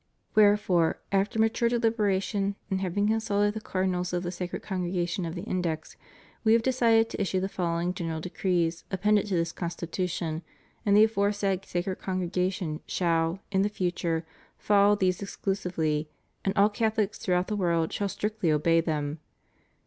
Wherefore, after mature deliberation, and having con sulted the Cardinals of the Sacred Congregation of the Index, We have decided to issue the following General Decrees appended to this Constitution, and the aforesaid Sacred Congregation shall, in the future, follow these exclusively, and all Catholics throughout the world shall strictly obey them.